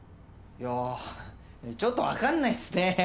いやあちょっとわかんないっすね。